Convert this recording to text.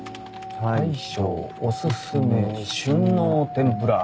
大将お薦め旬の天ぷら。